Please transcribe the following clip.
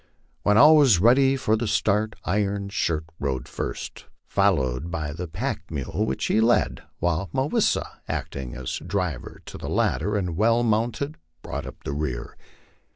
When all was ready for the start, Iron Shirt rode first, followed by the pack mule, which Le led, while Mah wis sa, acting as a driver to the latter and well mounted, brought up the rear.